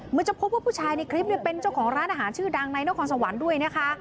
จะพบว่าผู้ชายในคลิปเป็นเจ้าของร้านอาหารชื่อดังในนครสวรรค์ด้วยนะคะ